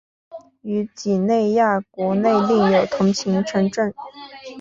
于几内亚国内另有同名城镇。